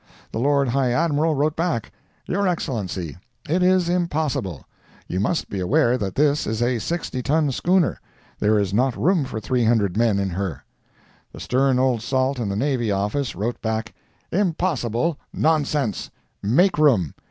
The Lord High Admiral wrote back: "Your Excellency: It is impossible. You must be aware that this is a 60 ton schooner. There is not room for 300 men in her." The stern old salt in the Navy office wrote back: "Impossible—nonsense. Make room.